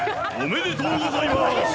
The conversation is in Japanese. おめでとうございます